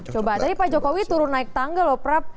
coba tadi pak jokowi turun naik tangga loh prap